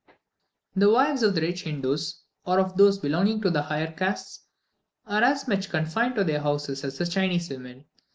The wives of the rich Hindoos, or of those belonging to the higher castes, are as much confined to their houses as the Chinese women.